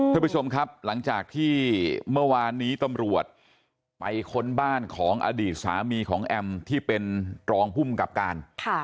ท่านผู้ชมครับหลังจากที่เมื่อวานนี้ตำรวจไปค้นบ้านของอดีตสามีของแอมที่เป็นรองภูมิกับการ